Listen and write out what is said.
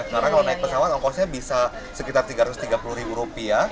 karena kalau naik pesawat ongkosnya bisa sekitar tiga ratus tiga puluh ribu rupiah